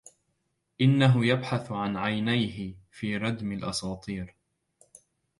إنه يبحث عن عينيه في ردم الأساطير